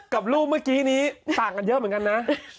กับรูปเมื่อกี้นี้ต่างกันเยอะเหมือนกันนะ